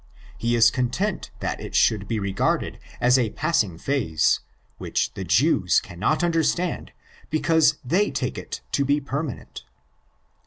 He is content that it should be regarded as a passing phase, which the Jews cannot understand because they take it to be permanent.